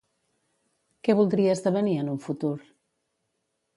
Què voldria esdevenir en un futur?